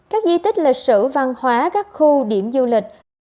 các di tích lịch sử văn hóa các khu điểm du lịch